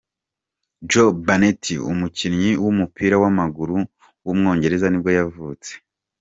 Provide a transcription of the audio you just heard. Joe Bennett, umukinnyi w’umupira w’amaguru w’umwongereza nibwo yavutse.